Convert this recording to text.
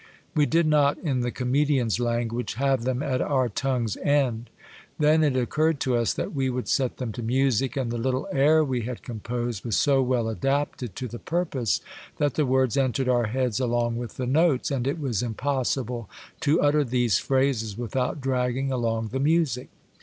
We did not, in the comedian's language, *' have them at our tongue's end." Then it occurred to us that we would set them to music, and the little air we had The Blind Emperor. 313 composed was so well adapted to the purpose that the words entered our heads along with the notes, and it was impossible to utter these phrases without dragging along the music.